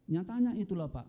nyatanya itulah pak